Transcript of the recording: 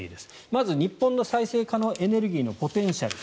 まず日本の再生可能エネルギーのポテンシャル